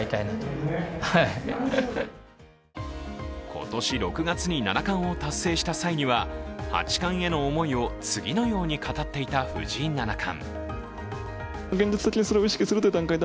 今年６月に七冠を達成した際には、八冠への思いを次のように語っていた藤井七冠。